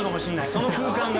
その空間が。